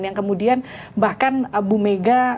yang kemudian bahkan bu mega